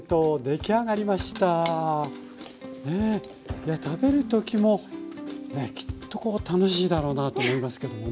いや食べるときもきっとこう楽しいだろうなと思いますけどもね。